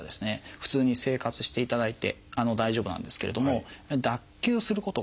普通に生活していただいて大丈夫なんですけれども脱臼することがやはりありますので。